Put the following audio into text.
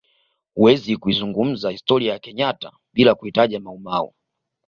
Huwezi kuzungumza historia ya kenyatta bila kuitaja maumau